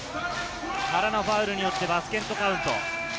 原のファウルによってバスケットカウント。